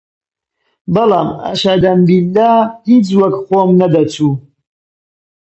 بەڵام ئەشەدەمبیللا هیچ وەک خۆم نەدەچوو